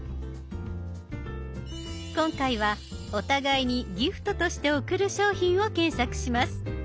今回はお互いにギフトとして贈る商品を検索します。